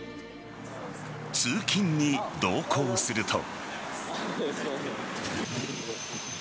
通勤に同行すると。